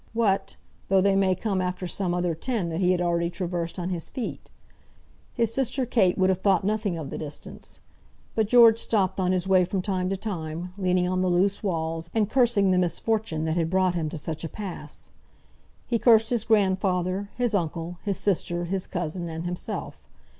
what, though they may come after some other ten that he has already traversed on his feet? His sister Kate would have thought nothing of the distance. But George stopped on his way from time to time, leaning on the loose walls, and cursing the misfortune that had brought him to such a pass. He cursed his grandfather, his uncle, his sister, his cousin, and himself.